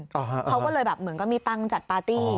เขาก็เลยแบบเหมือนก็มีตังค์จัดปาร์ตี้